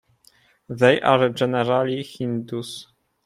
They are generally Hindus.